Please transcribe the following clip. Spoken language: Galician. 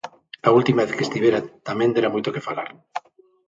A última vez que estivera tamén dera moito que falar.